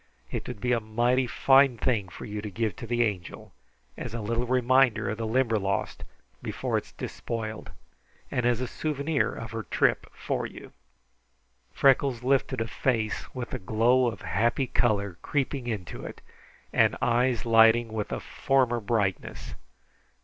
It would be a mighty fine thing for you to give to the Angel as a little reminder of the Limberlost before it is despoiled, and as a souvenir of her trip for you." Freckles lifted a face with a glow of happy color creeping into it and eyes lighting with a former brightness.